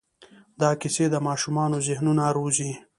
دا کیسې د ماشومانو ذهنونه روزي.